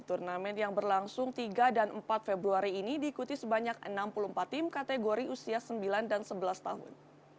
turnamen yang berlangsung tiga dan empat februari ini diikuti sebanyak enam puluh empat tim kategori usia sembilan dan sebelas tahun